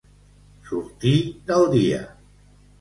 Sortir del dia.